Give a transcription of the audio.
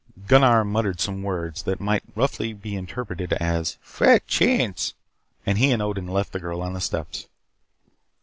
Gunnar muttered some words that might be roughly interpreted as "Fat Chance" and he and Odin left the girl on the steps.